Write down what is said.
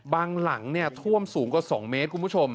บางหลังเนี่ยท่วมสูงกว่า๒เมตรคุณผู้ชม